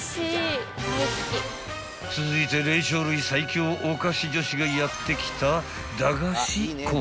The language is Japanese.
［続いて霊長類最強おかし女子がやって来た］